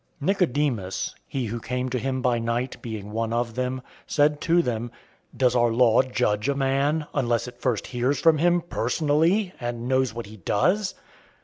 007:050 Nicodemus (he who came to him by night, being one of them) said to them, 007:051 "Does our law judge a man, unless it first hears from him personally and knows what he does?"